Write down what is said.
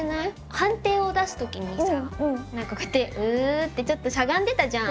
判定を出すときにさなんかこうやってうってちょっとしゃがんでたじゃん。